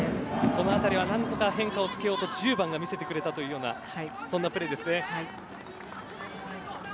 この辺りは何とか変化をつけようと１０番が見せてくれたというそんなプレーですね。